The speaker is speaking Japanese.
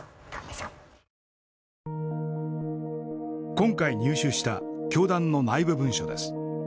今回入手した教団の内部文書です。